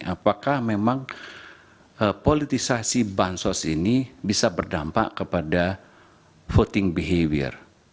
apakah memang politisasi bansos ini bisa berdampak kepada voting behavior